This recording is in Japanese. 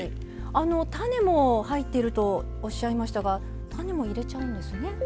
種も入っているとおっしゃいましたが種も入れちゃうんですね。